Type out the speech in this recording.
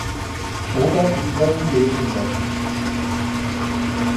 ਉਹ ਤਾਂ ਉੱਠਦਾ ਵੀ ਲੇਟ ਹੁੰਦਾ ਸੀ